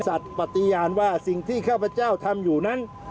ปฏิญาณว่าสิ่งที่ข้าพเจ้าทำอยู่นั้น